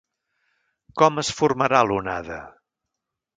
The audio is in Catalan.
Com es formarà l’onada?